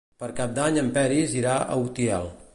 Per Cap d'Any en Peris irà a Utiel.